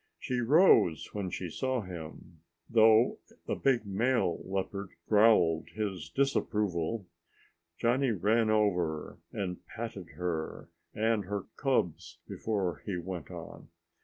She rose when she saw him. Though the big male leopard growled his disapproval, Johnny ran over and patted her and her cubs before he went on.